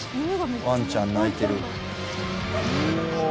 ワンちゃん鳴いてる。